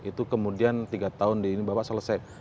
itu kemudian tiga tahun di ini bapak selesai